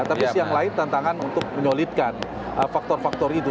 tapi siang lain tantangan untuk menyolidkan faktor faktor itu